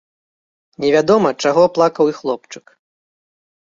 Невядома, чаго плакаў і хлопчык.